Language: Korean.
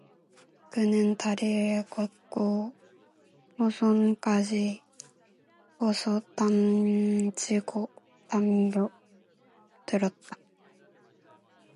그는 다리를 걷고 버선까지 벗어 던지고 덤벼들었다.